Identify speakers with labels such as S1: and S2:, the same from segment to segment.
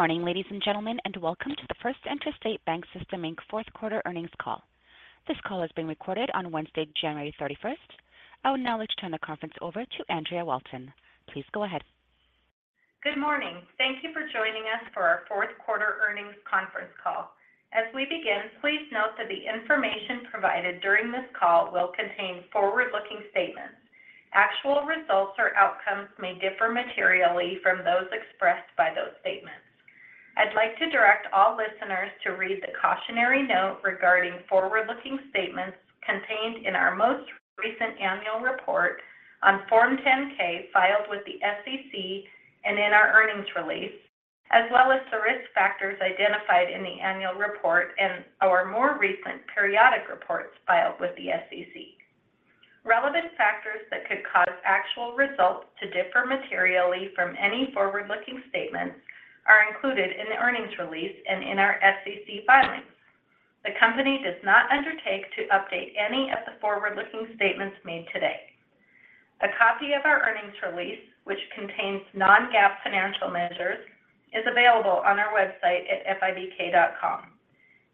S1: Good morning, ladies and gentlemen, and welcome to the First Interstate BancSystem, Inc. fourth quarter earnings call. This call is being recorded on Wednesday, January 31st. I would now like to turn the conference over to Andrea Walton. Please go ahead.
S2: Good morning. Thank you for joining us for our fourth quarter earnings conference call. As we begin, please note that the information provided during this call will contain forward-looking statements. Actual results or outcomes may differ materially from those expressed by those statements. I'd like to direct all listeners to read the cautionary note regarding forward-looking statements contained in our most recent annual report on Form 10-K filed with the SEC and in our earnings release, as well as the risk factors identified in the annual report and our more recent periodic reports filed with the SEC. Relevant factors that could cause actual results to differ materially from any forward-looking statements are included in the earnings release and in our SEC filings. The company does not undertake to update any of the forward-looking statements made today. A copy of our earnings release, which contains non-GAAP financial measures, is available on our website at fibk.com.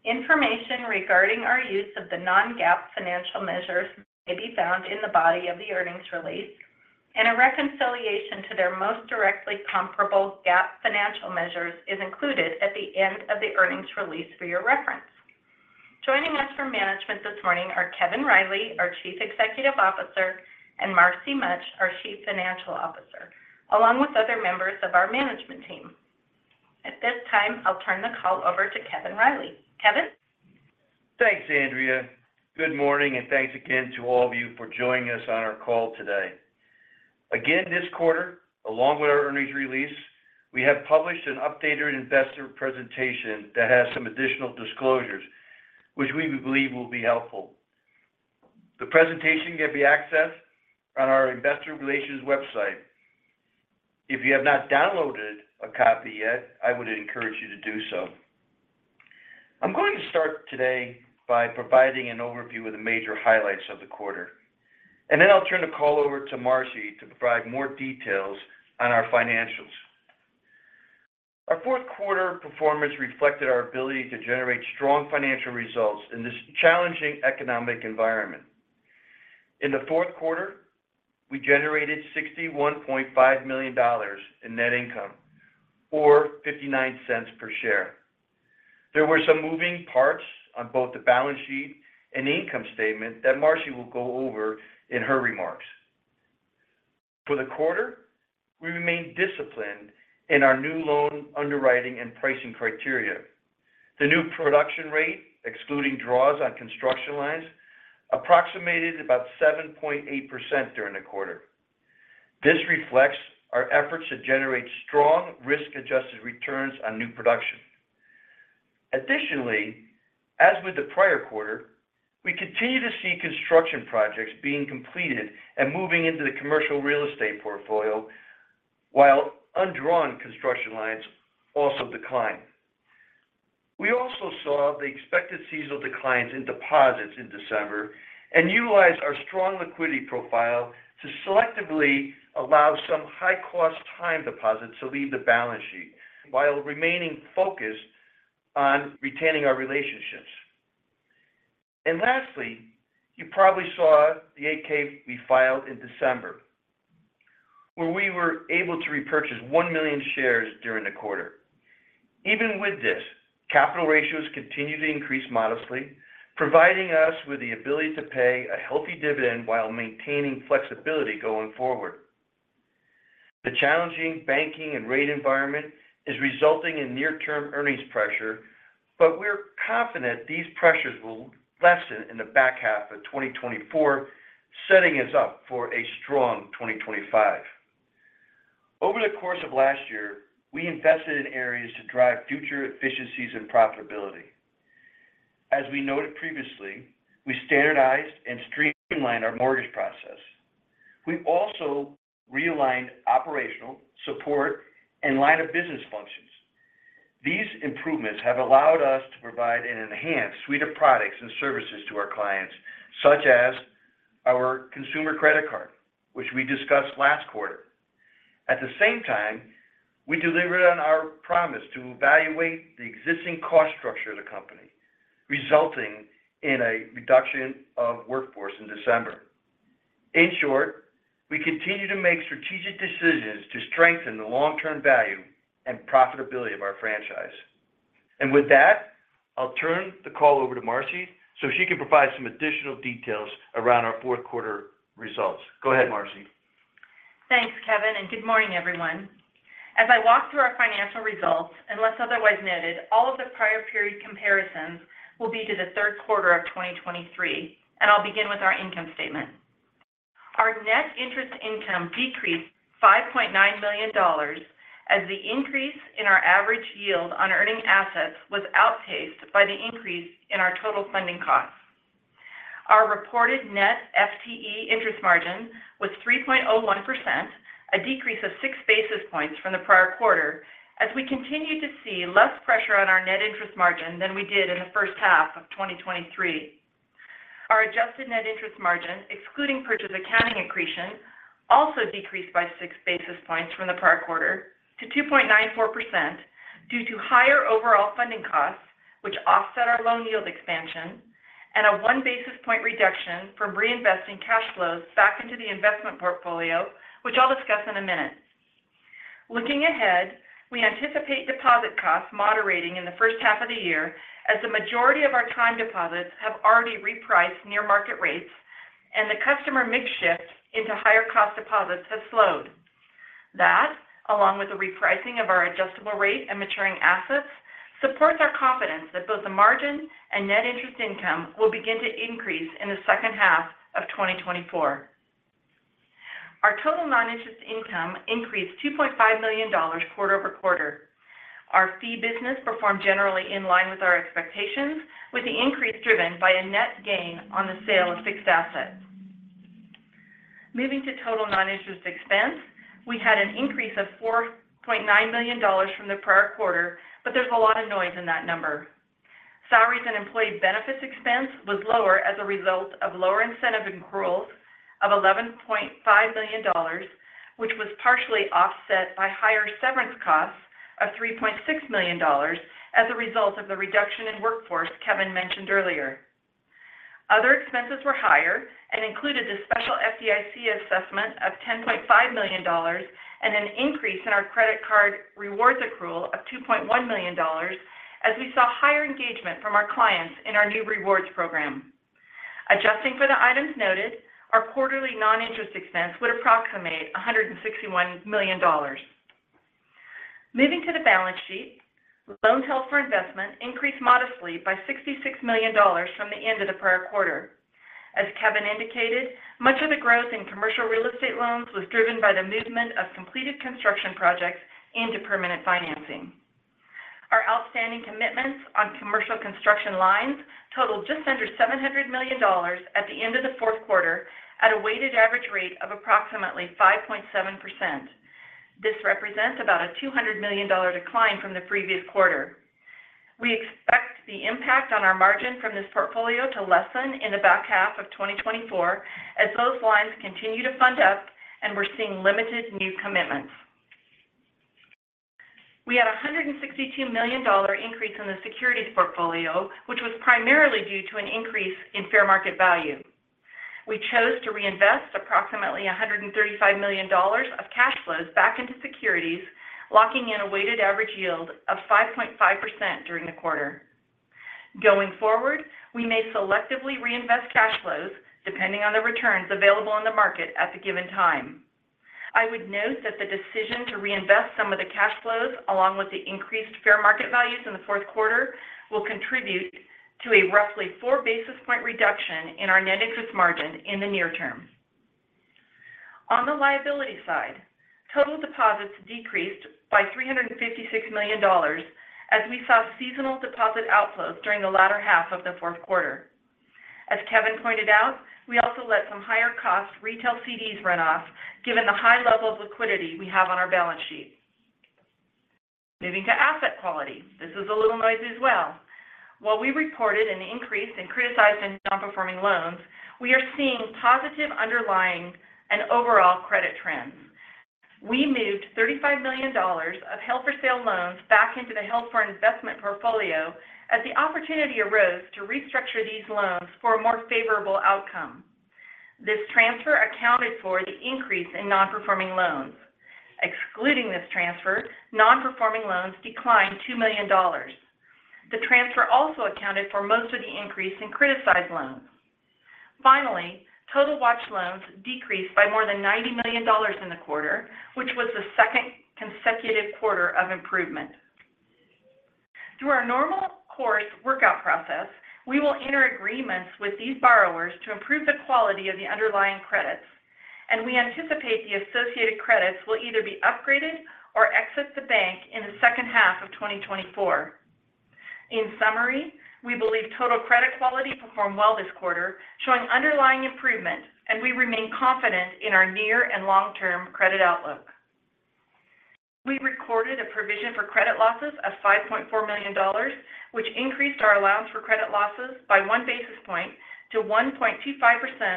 S2: Information regarding our use of the non-GAAP financial measures may be found in the body of the earnings release, and a reconciliation to their most directly comparable GAAP financial measures is included at the end of the earnings release for your reference. Joining us from management this morning are Kevin Riley, our Chief Executive Officer, and Marcy Mutch, our Chief Financial Officer, along with other members of our management team. At this time, I'll turn the call over to Kevin Riley. Kevin?
S3: Thanks, Andrea. Good morning, and thanks again to all of you for joining us on our call today. Again, this quarter, along with our earnings release, we have published an updated investor presentation that has some additional disclosures which we believe will be helpful. The presentation can be accessed on our investor relations website. If you have not downloaded a copy yet, I would encourage you to do so. I'm going to start today by providing an overview of the major highlights of the quarter, and then I'll turn the call over to Marcy to provide more details on our financials. Our fourth quarter performance reflected our ability to generate strong financial results in this challenging economic environment. In the fourth quarter, we generated $61.5 million in net income, or $0.59 per share. There were some moving parts on both the balance sheet and income statement that Marcy will go over in her remarks. For the quarter, we remained disciplined in our new loan underwriting and pricing criteria. The new production rate, excluding draws on construction lines, approximated about 7.8% during the quarter. This reflects our efforts to generate strong risk-adjusted returns on new production. Additionally, as with the prior quarter, we continue to see construction projects being completed and moving into the commercial real estate portfolio, while undrawn construction lines also decline. We also saw the expected seasonal declines in deposits in December and utilized our strong liquidity profile to selectively allow some high-cost time deposits to leave the balance sheet, while remaining focused on retaining our relationships. Lastly, you probably saw the 8-K we filed in December, where we were able to repurchase 1 million shares during the quarter. Even with this, capital ratios continue to increase modestly, providing us with the ability to pay a healthy dividend while maintaining flexibility going forward. The challenging banking and rate environment is resulting in near-term earnings pressure, but we're confident these pressures will lessen in the back half of 2024, setting us up for a strong 2025. Over the course of last year, we invested in areas to drive future efficiencies and profitability. As we noted previously, we standardized and streamlined our mortgage process. We've also realigned operational, support, and line of business functions. These improvements have allowed us to provide an enhanced suite of products and services to our clients, such as our consumer credit card, which we discussed last quarter. At the same time, we delivered on our promise to evaluate the existing cost structure of the company, resulting in a reduction of workforce in December. In short, we continue to make strategic decisions to strengthen the long-term value and profitability of our franchise. With that, I'll turn the call over to Marcy, so she can provide some additional details around our fourth quarter results. Go ahead, Marcy.
S2: Thanks, Kevin, and good morning, everyone. As I walk through our financial results, unless otherwise noted, all of the prior period comparisons will be to the third quarter of 2023, and I'll begin with our income statement. Our net interest income decreased $5.9 million as the increase in our average yield on earning assets was outpaced by the increase in our total funding costs. Our reported net FTE interest margin was 3.01%, a decrease of six basis points from the prior quarter, as we continued to see less pressure on our net interest margin than we did in the first half of 2023.... Our adjusted net interest margin, excluding purchase accounting accretion, also decreased by 6 basis points from the prior quarter to 2.94% due to higher overall funding costs, which offset our loan yield expansion and a 1 basis point reduction from reinvesting cash flows back into the investment portfolio, which I'll discuss in a minute. Looking ahead, we anticipate deposit costs moderating in the first half of the year as the majority of our time deposits have already repriced near market rates, and the customer mix shift into higher cost deposits has slowed. That, along with the repricing of our adjustable rate and maturing assets, supports our confidence that both the margin and net interest income will begin to increase in the second half of 2024. Our total non-interest income increased $2.5 million quarter-over-quarter. Our fee business performed generally in line with our expectations, with the increase driven by a net gain on the sale of fixed assets. Moving to total non-interest expense, we had an increase of $4.9 million from the prior quarter, but there's a lot of noise in that number. Salaries and employee benefits expense was lower as a result of lower incentive accruals of $11.5 million, which was partially offset by higher severance costs of $3.6 million as a result of the reduction in workforce Kevin mentioned earlier. Other expenses were higher and included the special FDIC assessment of $10.5 million and an increase in our credit card rewards accrual of $2.1 million as we saw higher engagement from our clients in our new rewards program. Adjusting for the items noted, our quarterly non-interest expense would approximate $161 million. Moving to the balance sheet, loans held for investment increased modestly by $66 million from the end of the prior quarter. As Kevin indicated, much of the growth in commercial real estate loans was driven by the movement of completed construction projects into permanent financing. Our outstanding commitments on commercial construction lines totaled just under $700 million at the end of the fourth quarter, at a weighted average rate of approximately 5.7%. This represents about a $200 million decline from the previous quarter. We expect the impact on our margin from this portfolio to lessen in the back half of 2024 as those lines continue to fund up and we're seeing limited new commitments. We had a $162 million increase in the securities portfolio, which was primarily due to an increase in fair market value. We chose to reinvest approximately $135 million of cash flows back into securities, locking in a weighted average yield of 5.5% during the quarter. Going forward, we may selectively reinvest cash flows, depending on the returns available in the market at the given time. I would note that the decision to reinvest some of the cash flows, along with the increased fair market values in the fourth quarter, will contribute to a roughly 4 basis point reduction in our net interest margin in the near term. On the liability side, total deposits decreased by $356 million dollars as we saw seasonal deposit outflows during the latter half of the fourth quarter. As Kevin pointed out, we also let some higher cost retail CDs run off, given the high level of liquidity we have on our balance sheet. Moving to asset quality. This is a little noisy as well. While we reported an increase in criticized and non-performing loans, we are seeing positive underlying and overall credit trends. We moved $35 million of held for sale loans back into the held for investment portfolio as the opportunity arose to restructure these loans for a more favorable outcome. This transfer accounted for the increase in non-performing loans. Excluding this transfer, non-performing loans declined $2 million. The transfer also accounted for most of the increase in criticized loans. Finally, total watch loans decreased by more than $90 million in the quarter, which was the second consecutive quarter of improvement. Through our normal course workout process, we will enter agreements with these borrowers to improve the quality of the underlying credits, and we anticipate the associated credits will either be upgraded or exit the bank in the second half of 2024. In summary, we believe total credit quality performed well this quarter, showing underlying improvement, and we remain confident in our near and long-term credit outlook. We recorded a provision for credit losses of $5.4 million, which increased our allowance for credit losses by 1 basis point to 1.25%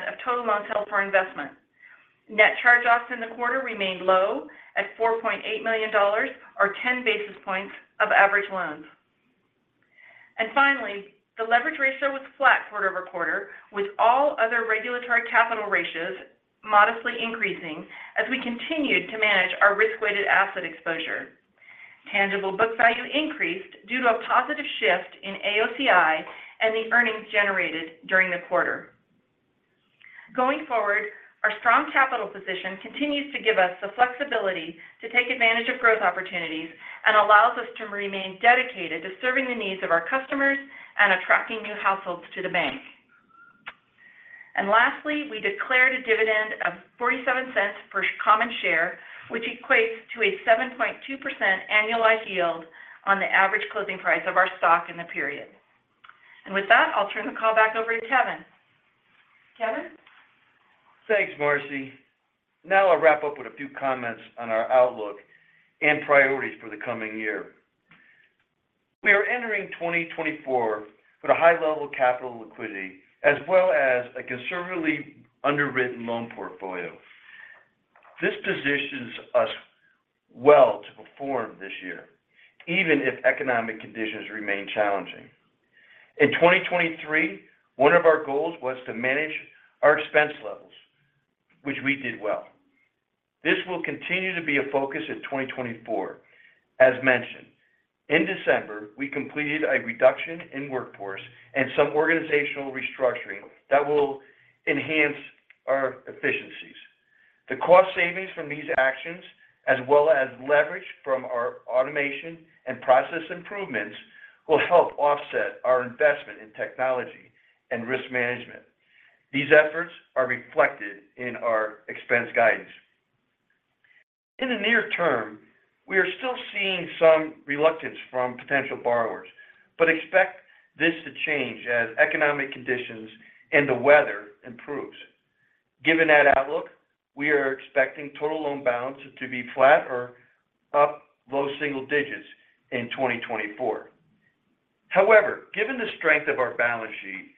S2: of total loans held for investment. Net charge-offs in the quarter remained low at $4.8 million or 10 basis points of average loans. Finally, the leverage ratio was flat quarter over quarter, with all other regulatory capital ratios modestly increasing as we continued to manage our risk-weighted asset exposure. Tangible book value increased due to a positive shift in AOCI and the earnings generated during the quarter. Going forward, our strong capital position continues to give us the flexibility to take advantage of growth opportunities and allows us to remain dedicated to serving the needs of our customers and attracting new households to the bank. And lastly, we declared a dividend of $0.47 per common share, which equates to a 7.2% annualized yield on the average closing price of our stock in the period. And with that, I'll turn the call back over to Kevin. Kevin?
S3: Thanks, Marcy. Now I'll wrap up with a few comments on our outlook and priorities for the coming year. We are entering 2024 with a high level of capital liquidity, as well as a conservatively underwritten loan portfolio. This positions us well to perform this year, even if economic conditions remain challenging. In 2023, one of our goals was to manage our expense levels, which we did well. This will continue to be a focus in 2024. As mentioned, in December, we completed a reduction in workforce and some organizational restructuring that will enhance our efficiencies. The cost savings from these actions, as well as leverage from our automation and process improvements, will help offset our investment in technology and risk management. These efforts are reflected in our expense guidance. In the near term, we are still seeing some reluctance from potential borrowers, but expect this to change as economic conditions and the weather improves. Given that outlook, we are expecting total loan balance to be flat or up low single digits in 2024. However, given the strength of our balance sheet,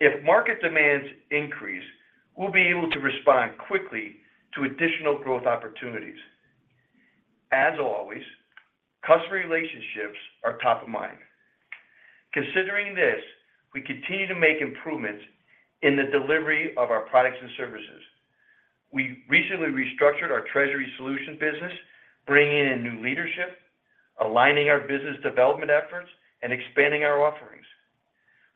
S3: if market demands increase, we'll be able to respond quickly to additional growth opportunities. As always, customer relationships are top of mind. Considering this, we continue to make improvements in the delivery of our products and services. We recently restructured our treasury solution business, bringing in new leadership, aligning our business development efforts, and expanding our offerings.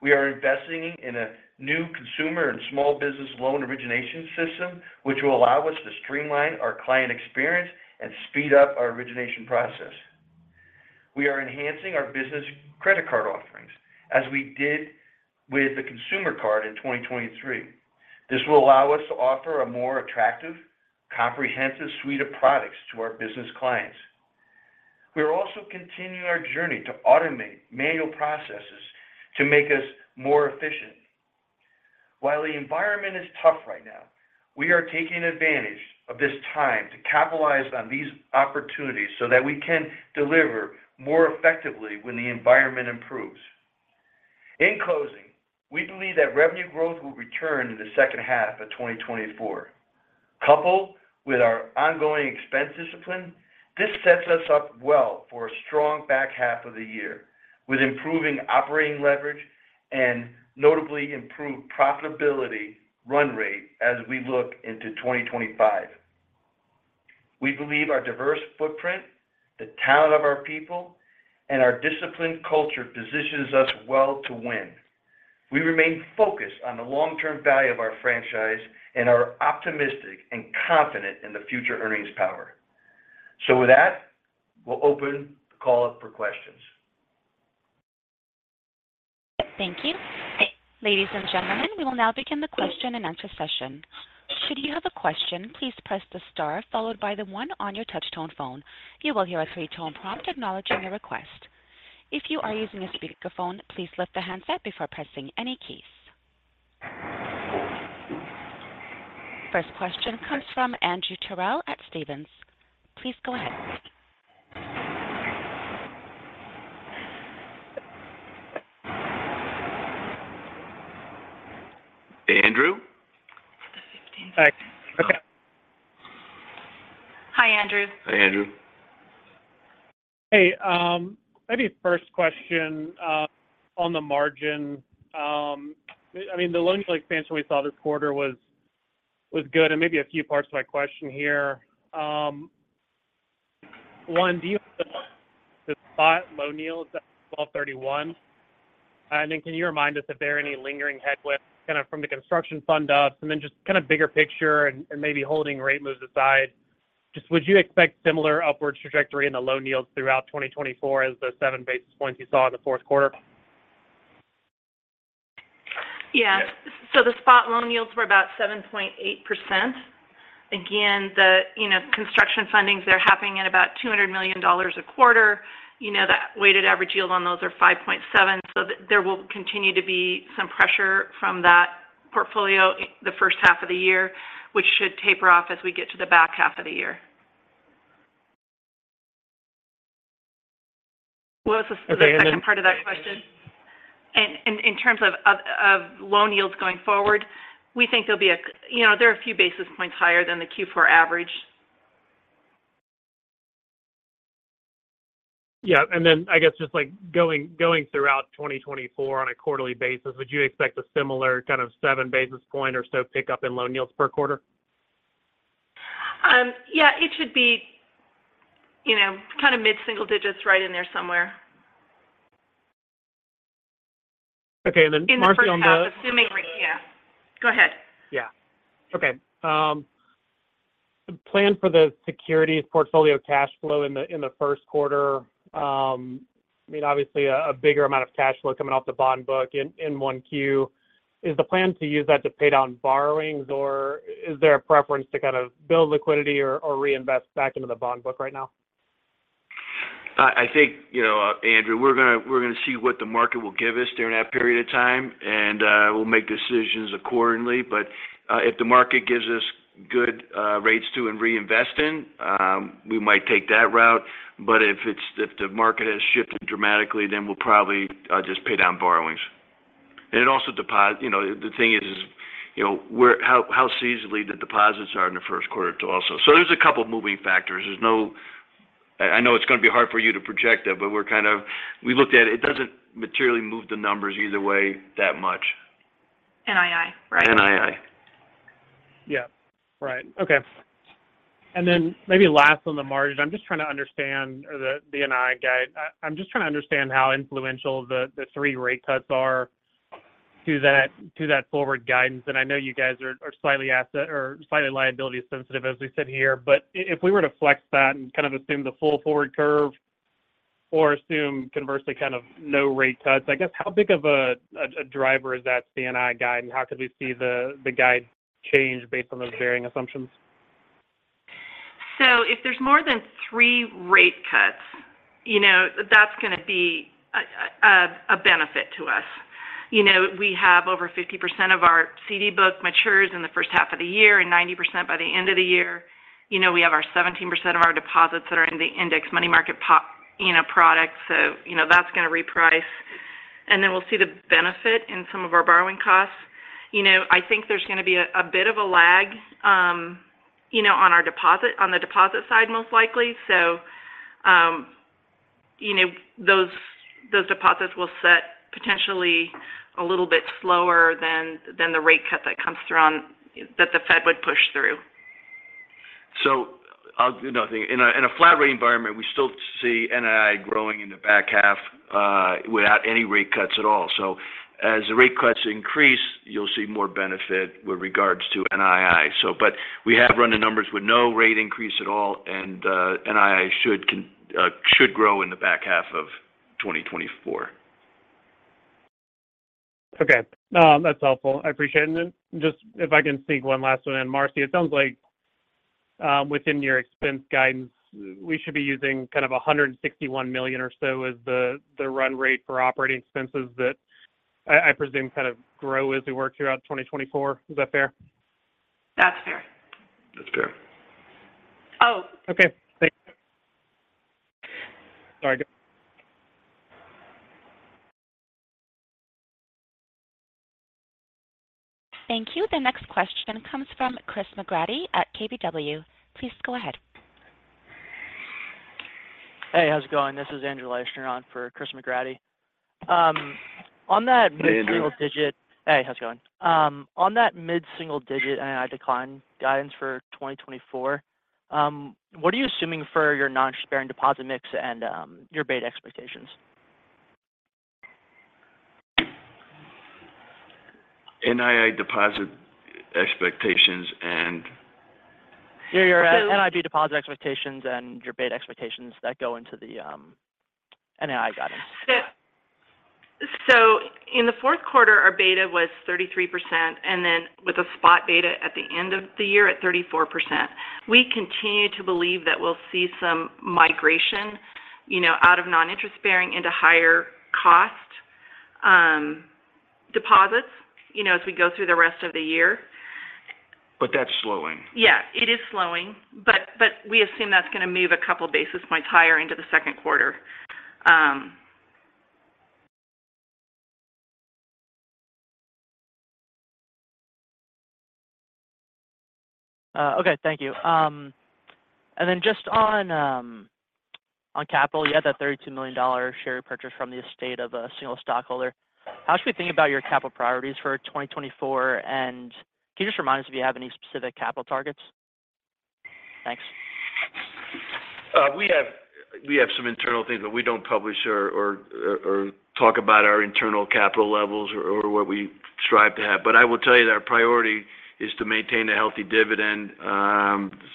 S3: We are investing in a new consumer and small business loan origination system, which will allow us to streamline our client experience and speed up our origination process. We are enhancing our business credit card offerings as we did with the consumer card in 2023. This will allow us to offer a more attractive, comprehensive suite of products to our business clients. We are also continuing our journey to automate manual processes to make us more efficient. While the environment is tough right now, we are taking advantage of this time to capitalize on these opportunities so that we can deliver more effectively when the environment improves. In closing, we believe that revenue growth will return in the second half of 2024. Coupled with our ongoing expense discipline, this sets us up well for a strong back half of the year, with improving operating leverage and notably improved profitability run rate as we look into 2025. We believe our diverse footprint, the talent of our people, and our disciplined culture positions us well to win. We remain focused on the long-term value of our franchise and are optimistic and confident in the future earnings power. With that, we'll open the call up for questions.
S1: Thank you. Ladies and gentlemen, we will now begin the question and answer session. Should you have a question, please press the star followed by the one on your touch tone phone. You will hear a three-tone prompt acknowledging the request. If you are using a speakerphone, please lift the handset before pressing any keys. First question comes from Andrew Terrell at Stephens. Please go ahead.
S3: Andrew?
S4: Hi. Okay.
S5: Hi, Andrew.
S3: Hi, Andrew.
S4: Hey, maybe first question, on the margin. I mean, the loan expansion we saw this quarter was, was good, and maybe a few parts to my question here. One, do you the spot loan yields at 12/31? And then can you remind us if there are any lingering headwinds kind of from the construction fund ups, and then just kind of bigger picture and, and maybe holding rate moves aside, just would you expect similar upward trajectory in the loan yields throughout 2024 as the 7 basis points you saw in the fourth quarter?
S5: Yeah. So the spot loan yields were about 7.8%. Again, the, you know, construction fundings, they're happening at about $200 million a quarter. You know, that weighted average yield on those are 5.7. So there will continue to be some pressure from that portfolio in the first half of the year, which should taper off as we get to the back half of the year. What was the, the second part of that question? And in terms of loan yields going forward, we think there'll be a, you know, there are a few basis points higher than the Q4 average.
S4: Yeah. Then I guess just like going throughout 2024 on a quarterly basis, would you expect a similar kind of 7 basis point or so pickup in loan yields per quarter?
S5: Yeah, it should be, you know, kind of mid-single digits, right in there somewhere.
S4: Okay. And then Marcy, on the.
S5: In the first half, assuming. Yeah, go ahead.
S4: Yeah. Okay. The plan for the securities portfolio cash flow in the first quarter, I mean, obviously a bigger amount of cash flow coming off the bond book in one Q. Is the plan to use that to pay down borrowings, or is there a preference to kind of build liquidity or reinvest back into the bond book right now?
S3: I think, you know, Andrew, we're going to see what the market will give us during that period of time, and we'll make decisions accordingly. But, if the market gives us-
S6: Good rates to and reinvest in, we might take that route. But if the market has shifted dramatically, then we'll probably just pay down borrowings. And it also deposit. You know, the thing is, you know, where, how seasonally the deposits are in the first quarter too. So there's a couple moving factors. I know it's going to be hard for you to project that, but we're kind of, we looked at it. It doesn't materially move the numbers either way that much.
S5: NII, right?
S6: NII.
S4: Yeah. Right. Okay. And then maybe last on the margin, I'm just trying to understand the NII guide. I'm just trying to understand how influential the three rate cuts are to that forward guidance. And I know you guys are slightly asset or slightly liability sensitive, as we sit here. But if we were to flex that and kind of assume the full forward curve or assume, conversely, kind of no rate cuts, I guess, how big of a driver is that NII guide, and how could we see the guide change based on those varying assumptions?
S5: So if there's more than three rate cuts, you know, that's going to be a benefit to us. You know, we have over 50% of our CD book matures in the first half of the year and 90% by the end of the year. You know, we have 17% of our deposits that are in the index money market product. So, you know, that's going to reprice, and then we'll see the benefit in some of our borrowing costs. You know, I think there's going to be a bit of a lag, you know, on our deposit, on the deposit side, most likely. So, you know, those deposits will set potentially a little bit slower than the rate cut that comes through that the Fed would push through.
S6: In a flat rate environment, we still see NII growing in the back half without any rate cuts at all. So as the rate cuts increase, you'll see more benefit with regards to NII. So but we have run the numbers with no rate increase at all, and NII should grow in the back half of 2024.
S4: Okay. That's helpful. I appreciate it. And then just if I can sneak one last one in. Marcy, it sounds like, within your expense guidance, we should be using kind of $161 million or so as the run rate for operating expenses that I presume, kind of grow as we work throughout 2024. Is that fair?
S5: That's fair.
S6: That's fair.
S4: Okay. Thank you. Sorry, go ahead.
S1: Thank you. The next question comes from Chris McGratty at KBW. Please go ahead.
S7: Hey, how's it going? This is Andrew Liesch on for Chris McGratty. On that-
S6: Hey, Andrew.
S7: Mid-single-digit. Hey, how's it going? On that mid-single-digit NII decline guidance for 2024, what are you assuming for your non-interest-bearing deposit mix and your beta expectations?
S6: NII deposit expectations and.
S7: Yeah, your NID deposit expectations and your beta expectations that go into the NII guidance.
S5: So, so in the fourth quarter, our beta was 33%, and then with a spot beta at the end of the year at 34%. We continue to believe that we'll see some migration, you know, out of non-interest bearing into higher cost, deposits, you know, as we go through the rest of the year.
S6: But that's slowing.
S5: Yeah, it is slowing, but, but we assume that's going to move a couple of basis points higher into the second quarter.
S7: Okay, thank you. And then just on capital, you had that $32 million share repurchase from the estate of a single stockholder. How should we think about your capital priorities for 2024? And can you just remind us if you have any specific capital targets? Thanks.
S6: We have some internal things, but we don't publish or talk about our internal capital levels or what we strive to have. But I will tell you that our priority is to maintain a healthy dividend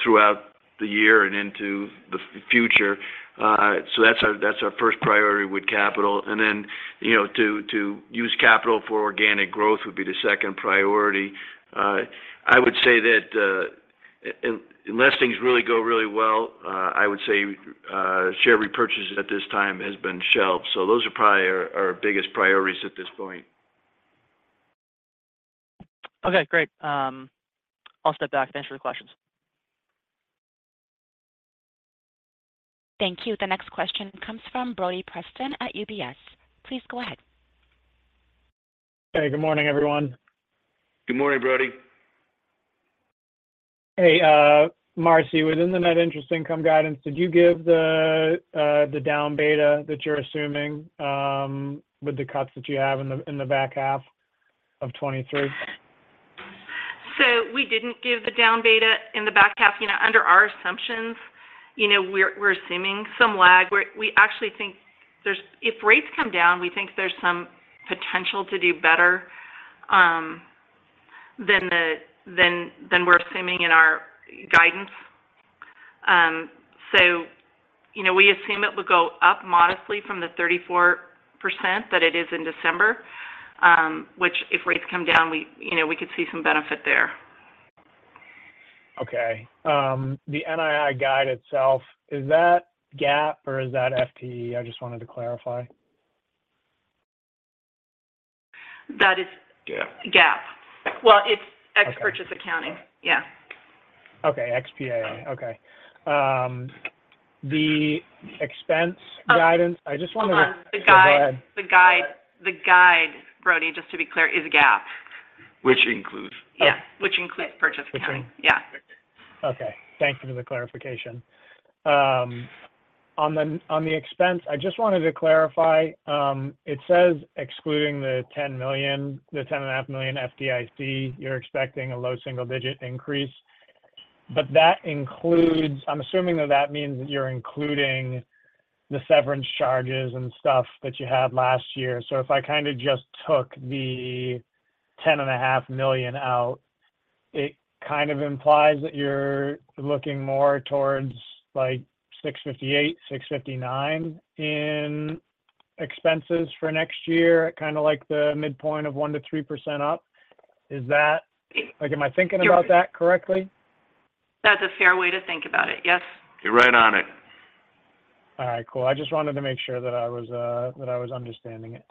S6: throughout the year and into the future. So that's our first priority with capital. And then, you know, to use capital for organic growth would be the second priority. I would say that unless things really go really well, I would say share repurchases at this time has been shelved. So those are probably our biggest priorities at this point.
S7: Okay, great. I'll step back. Thanks for the questions.
S1: Thank you. The next question comes from Brodie Preston at UBS. Please go ahead.
S8: Hey, good morning, everyone.
S6: Good morning, Brodie.
S8: Hey, Marcy, within the net interest income guidance, did you give the down beta that you're assuming with the cuts that you have in the back half of 2023?
S5: So we didn't give the down beta in the back half. You know, under our assumptions, you know, we're assuming some lag, where we actually think there's, if rates come down, we think there's some potential to do better than we're assuming in our guidance. So, you know, we assume it would go up modestly from the 34% that it is in December, which if rates come down, you know, we could see some benefit there.
S8: Okay. The NII guide itself, is that GAAP or is that FTE? I just wanted to clarify.
S5: That is.
S6: GAAP.
S5: GAAP. Well, it's ex-purchase accounting. Yeah.
S8: Okay. ex-PA. Okay, the expense guidance I just wonder.
S5: Hold on.
S8: Go ahead.
S5: The guide, Brodie, just to be clear, is GAAP.
S6: Which includes purchase accounting?
S5: Yeah, which includes purchase accounting.
S8: Which in, Okay. Thank you for the clarification. On the expense, I just wanted to clarify, it says excluding the $10 million, the $10.5 million FDIC, you're expecting a low single-digit increase. But that includes. I'm assuming that that means that you're including the severance charges and stuff that you had last year. So if I kind of just took the $10.5 million out, it kind of implies that you're looking more towards like 658, 659 in expenses for next year, kind of like the midpoint of 1%-3% up. Is that? Like, am I thinking about that correctly?
S5: That's a fair way to think about it, yes.
S6: You're right on it.
S8: All right, cool. I just wanted to make sure that I was understanding it.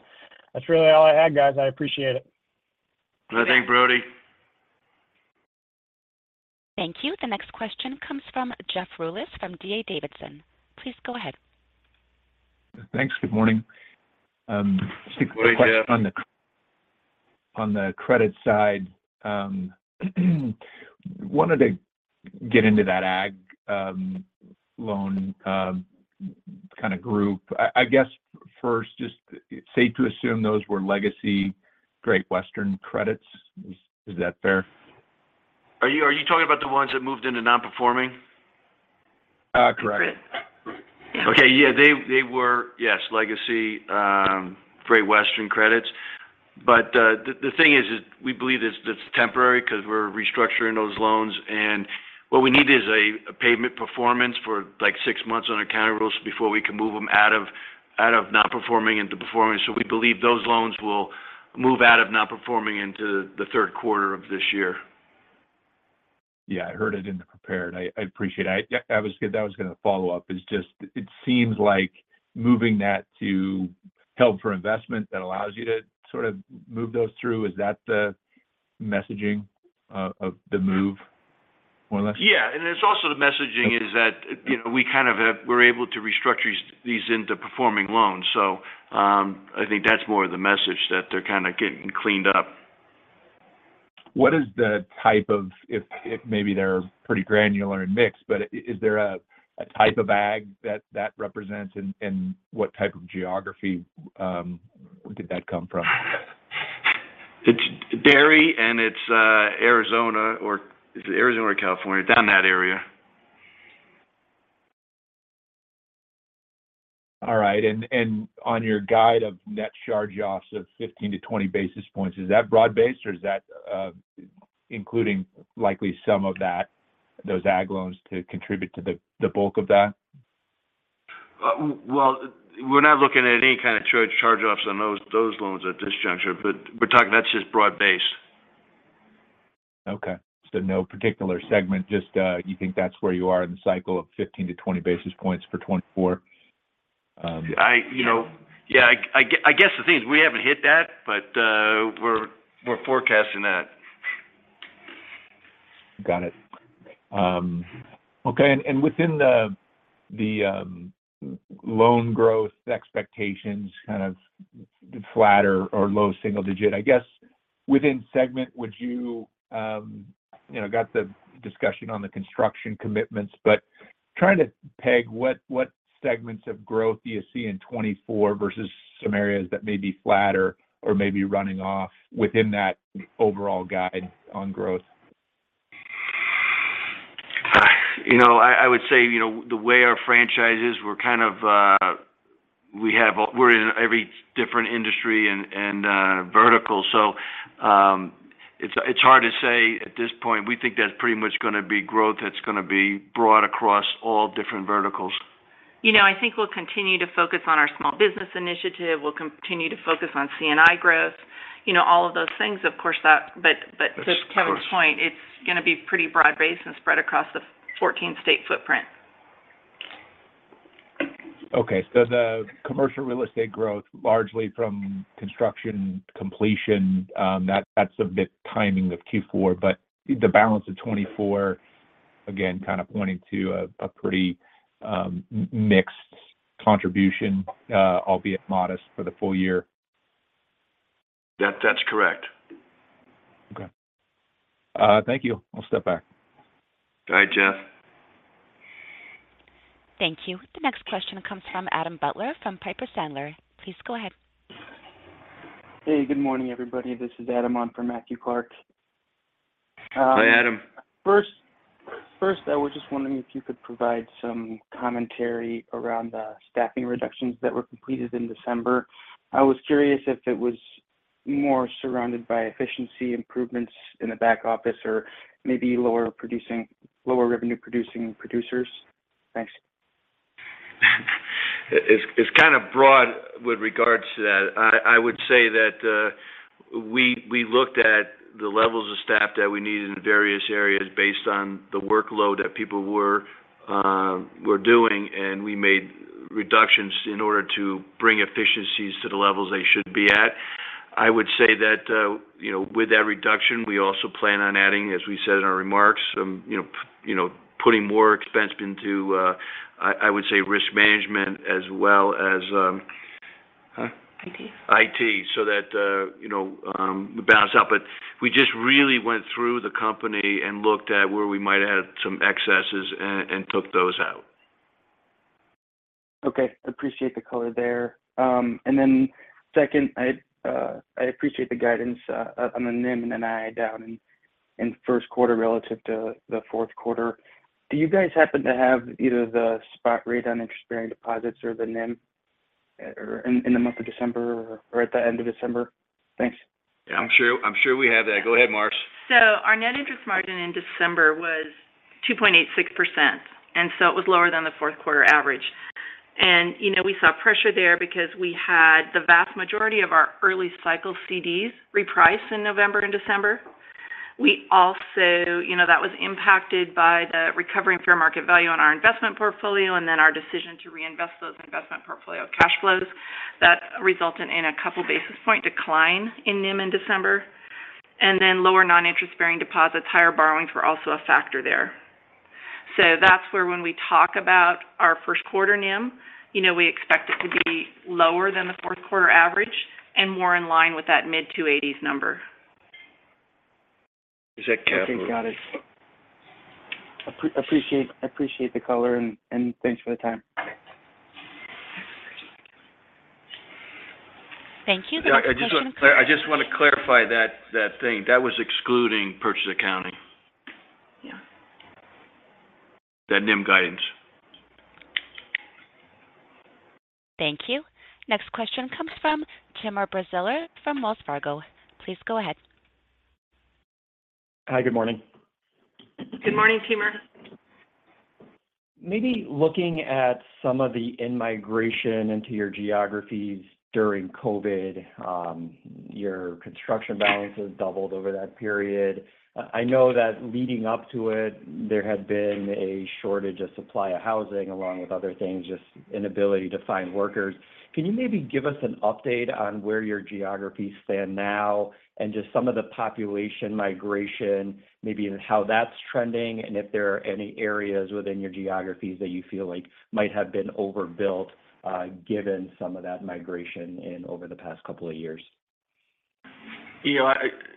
S8: That's really all I had, guys. I appreciate it.
S6: Good. Thanks, Brodie.
S1: Thank you. The next question comes from Jeff Rulis from D.A. Davidson. Please go ahead.
S9: Thanks. Good morning.
S6: Good morning, Jeff.
S9: On the credit side, wanted to get into that ag loan kind of group. I guess first, just safe to assume those were legacy Great Western Credits. Is that fair?
S6: Are you talking about the ones that moved into non-performing?
S9: Uh, correct.
S6: Okay, yeah. They, they were. Yes, legacy Great Western Credits. But, the thing is, we believe it's temporary because we're restructuring those loans. And what we need is a payment performance for, like, six months on accounting rules before we can move them out of non-performing into performing. So we believe those loans will move out of non-performing into the third quarter of this year.
S9: Yeah, I heard it in the prepared. I, I appreciate it. I, Yeah, I was, I was going to follow up. It's just, it seems like moving that to held for investment, that allows you to sort of move those through. Is that the messaging of the move, more or less?
S6: Yeah, and it's also the messaging is that, you know, we kind of we're able to restructure these, these into performing loans. So, I think that's more of the message that they're kind of getting cleaned up.
S9: What is the type of—if maybe they're pretty granular and mixed, but is there a type of ag that represents, and what type of geography did that come from?
S6: It's dairy, and it's Arizona or. It's Arizona or California, down that area.
S9: All right. And on your guide of net charge-offs of 15-20 basis points, is that broad-based, or is that, including likely some of that, those ag loans to contribute to the bulk of that?
S6: Well, we're not looking at any kind of charge-offs on those loans at this juncture, but we're talking. That's just broad-based.
S9: Okay. So no particular segment, just, you think that's where you are in the cycle of 15-20 basis points for 2024,
S6: You know, yeah, I guess the thing is, we haven't hit that, but we're forecasting that.
S9: Got it. Okay, and within the loan growth expectations, kind of flatter or low single digit, I guess within segment, would you... You know, got the discussion on the construction commitments, but trying to peg what segments of growth do you see in 2024 versus some areas that may be flatter or may be running off within that overall guide on growth?
S6: You know, I would say, you know, the way our franchise is, we're kind of, we're in every different industry and vertical. So, it's hard to say at this point. We think that's pretty much gonna be growth that's gonna be broad across all different verticals.
S5: You know, I think we'll continue to focus on our small business initiative. We'll continue to focus on C&I growth, you know, all of those things, of course, that-
S6: Yes, of course.
S5: But to Kevin's point, it's gonna be pretty broad-based and spread across the fourteen-state footprint.
S9: Okay. So the commercial real estate growth, largely from construction completion, that's a bit timing of Q4, but the balance of 2024, again, kind of pointing to a pretty mixed contribution, albeit modest for the full year.
S6: That, that's correct.
S9: Okay. Thank you. I'll step back.
S6: Bye, Jeff.
S1: Thank you. The next question comes from Adam Butler, from Piper Sandler. Please go ahead.
S10: Hey, good morning, everybody. This is Adam on for Matthew Clark.
S6: Hi, Adam.
S10: First, I was just wondering if you could provide some commentary around the staffing reductions that were completed in December. I was curious if it was more surrounded by efficiency improvements in the back office or maybe lower producing, lower revenue-producing producers. Thanks.
S6: It's kind of broad with regards to that. I would say that we looked at the levels of staff that we needed in various areas based on the workload that people were doing, and we made reductions in order to bring efficiencies to the levels they should be at. I would say that, you know, with that reduction, we also plan on adding, as we said in our remarks, you know, putting more expense into, I would say risk management as well as.
S5: IT.
S6: It, so that you know, to balance out. But we just really went through the company and looked at where we might add some excesses and took those out.
S10: Okay. I appreciate the color there. And then second, I appreciate the guidance on the NIM and NII down in first quarter relative to the fourth quarter. Do you guys happen to have either the spot rate on interest-bearing deposits or the NIM or in the month of December or at the end of December? Thanks.
S6: Yeah, I'm sure, I'm sure we have that. Go ahead, Marcy.
S5: So our net interest margin in December was 2.86%, and so it was lower than the fourth quarter average. You know, we saw pressure there because we had the vast majority of our early cycle CDs reprice in November and December. We also, you know, that was impacted by the recovery and fair market value on our investment portfolio, and then our decision to reinvest those investment portfolio cash flows. That resulted in a couple basis points decline in NIM in December, and then lower non-interest-bearing deposits, higher borrowings were also a factor there. So that's where when we talk about our first quarter NIM, you know, we expect it to be lower than the fourth quarter average and more in line with that mid-2.80% range.
S6: Is that Kevin?
S10: Okay, got it. Appreciate the color and thanks for the time.
S1: Thank you. The next question-
S6: Yeah, I just want to clarify that, that thing. That was excluding purchase accounting. That NIM guidance.
S1: Thank you. Next question comes from Timur Braziler from Wells Fargo. Please go ahead.
S11: Hi, good morning.
S5: Good morning, Timur.
S11: Maybe looking at some of the in-migration into your geographies during COVID, your construction balances doubled over that period. I know that leading up to it, there had been a shortage of supply of housing, along with other things, just inability to find workers. Can you maybe give us an update on where your geographies stand now and just some of the population migration, maybe how that's trending, and if there are any areas within your geographies that you feel like might have been overbuilt, given some of that migration in over the past couple of years?
S6: You know,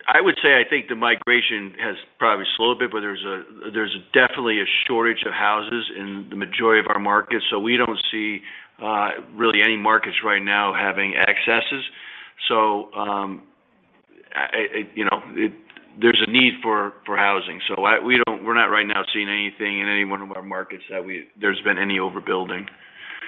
S6: I would say I think the migration has probably slowed a bit, but there's definitely a shortage of houses in the majority of our markets, so we don't see really any markets right now having excesses. So, you know, there's a need for housing. So we don't-- we're not right now seeing anything in any one of our markets that there's been any overbuilding.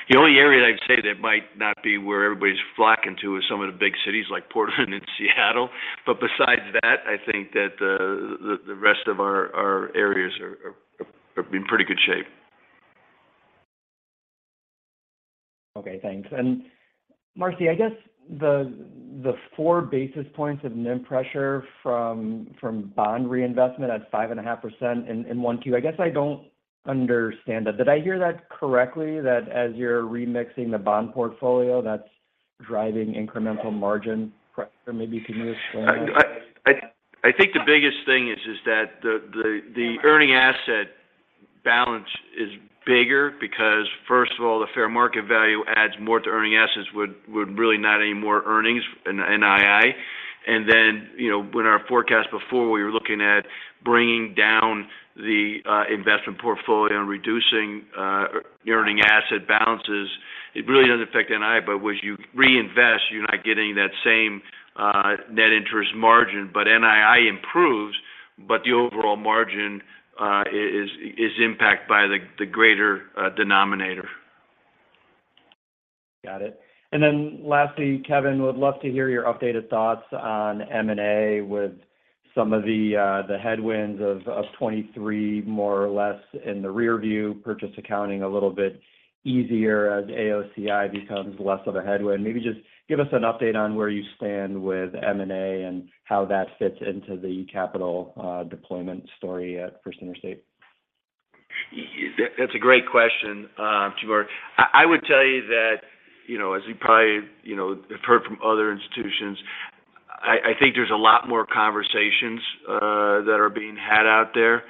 S6: The only area I'd say that might not be where everybody's flocking to is some of the big cities like Portland and Seattle. But besides that, I think that the rest of our areas are in pretty good shape.
S11: Okay, thanks. And Marcy, I guess the four basis points of NIM pressure from bond reinvestment at 5.5% in one Q, I guess I don't understand that. Did I hear that correctly, that as you're remixing the bond portfolio, that's driving incremental margin pressure? Maybe can you explain?
S6: I think the biggest thing is that the earning asset balance is bigger because, first of all, the fair market value adds more to earning assets, would really not any more earnings, NII. And then, you know, when our forecast before, we were looking at bringing down the investment portfolio and reducing your earning asset balances, it really doesn't affect NII, but once you reinvest, you're not getting that same net interest margin. But NII improves, but the overall margin is impacted by the greater denominator.
S11: Got it. And then lastly, Kevin, would love to hear your updated thoughts on M&A with some of the, the headwinds of, of 2023, more or less in the rearview, purchase accounting a little bit easier as AOCI becomes less of a headwind. Maybe just give us an update on where you stand with M&A and how that fits into the capital, deployment story at First Interstate.
S6: That's a great question, Timur. I would tell you that, you know, as you probably, you know, have heard from other institutions, I think there's a lot more conversations that are being had out there.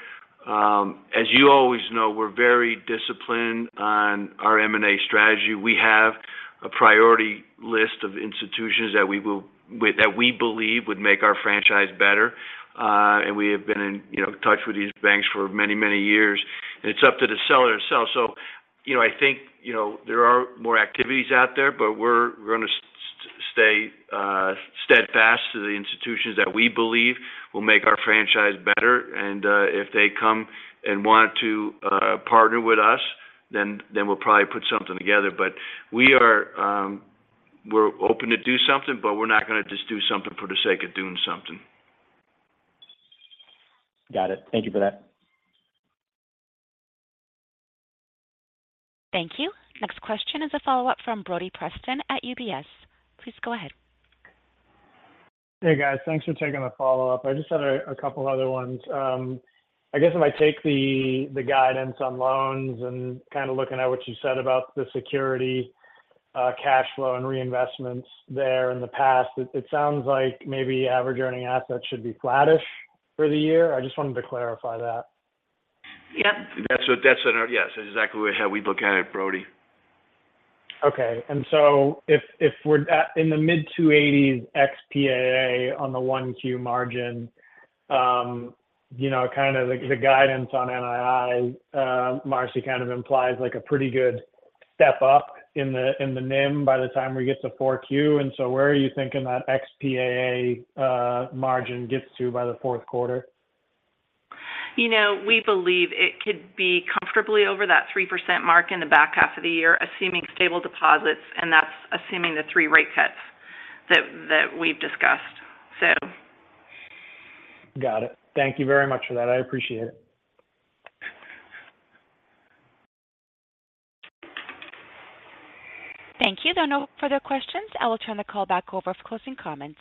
S6: As you always know, we're very disciplined on our M&A strategy. We have a priority list of institutions that we will with, that we believe would make our franchise better. And we have been in, you know, touch with these banks for many, many years, and it's up to the seller to sell. So, you know, I think, you know, there are more activities out there, but we're going to stay steadfast to the institutions that we believe will make our franchise better. And if they come and want to partner with us, then we'll probably put something together. But we are, we're open to do something, but we're not going to just do something for the sake of doing something.
S11: Got it. Thank you for that.
S1: Thank you. Next question is a follow-up from Brody Preston at UBS. Please go ahead.
S8: Hey, guys. Thanks for taking the follow-up. I just had a couple other ones. I guess if I take the guidance on loans and kind of looking at what you said about the security, cash flow and reinvestments there in the past, it sounds like maybe average earning assets should be flattish for the year. I just wanted to clarify that.
S5: Yep.
S6: That's what. Yes, that's exactly how we look at it, Brodie.
S8: Okay. And so if we're at, in the mid-280s ex-PAA on the 1Q margin, you know, kind of the guidance on NII, Marcy, kind of implies like a pretty good step up in the NIM by the time we get to 4Q. And so where are you thinking that ex-PAA margin gets to by the fourth quarter?
S5: You know, we believe it could be comfortably over that 3% mark in the back half of the year, assuming stable deposits, and that's assuming the three rate cuts that we've discussed, so.
S8: Got it. Thank you very much for that. I appreciate it.
S1: Thank you. There are no further questions. I will turn the call back over for closing comments.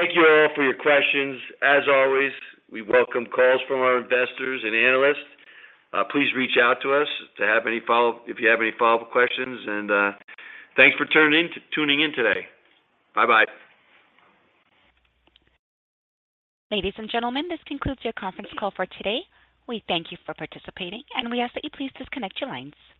S6: Thank you all for your questions. As always, we welcome calls from our investors and analysts. Please reach out to us if you have any follow-up questions, and thanks for tuning in today. Bye-bye.
S1: Ladies and gentlemen, this concludes your conference call for today. We thank you for participating, and we ask that you please disconnect your lines.